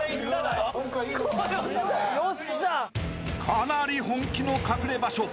［かなり本気の隠れ場所］